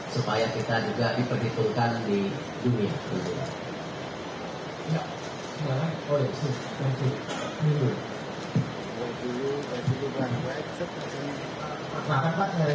supaya kita juga diperhitungkan di dunia